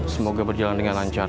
semoga berjalan dengan lancar